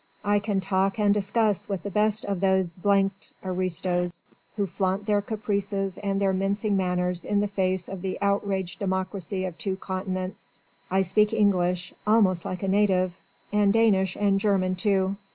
I can talk and discuss with the best of those d d aristos who flaunt their caprices and their mincing manners in the face of the outraged democracy of two continents. I speak English almost like a native and Danish and German too.